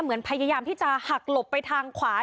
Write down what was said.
เหมือนพยายามที่จะหักหลบไปทางขวา